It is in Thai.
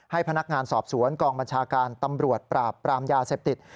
พนักงานสอบสวนกองบัญชาการตำรวจปราบปรามยาเสพติด